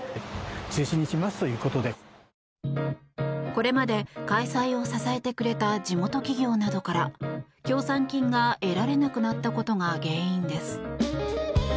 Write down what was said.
これまで開催を支えてくれた地元企業などから協賛金が得られなくなったことが原因です。